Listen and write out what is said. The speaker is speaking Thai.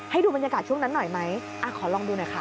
ดูบรรยากาศช่วงนั้นหน่อยไหมขอลองดูหน่อยค่ะ